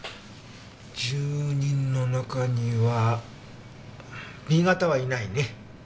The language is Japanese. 住人の中にはＢ型はいないね。